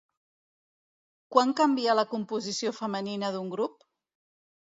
Quan canvia la composició femenina d'un grup?